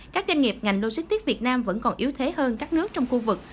các doanh nghiệp ngành logistics việt nam vẫn còn yếu thế hơn các nước trong khu vực